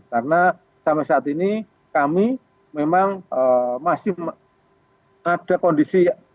karena sampai saat ini kami memang masih ada kondisi